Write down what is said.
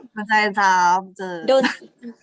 หัวใจซ้ำ